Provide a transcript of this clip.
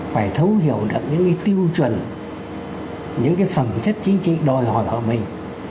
phải thấu hiểu được những cái tiêu chuẩn những cái phẩm chất chính trị đòi hỏi của mình